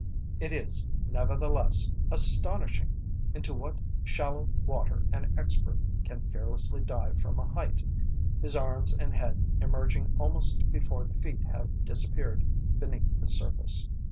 It is, nevertheless, astonishing into what shallow water an expert can fearlessly dive from a height, his arms and head emerging almost before the feet have disappeared beneath the surface.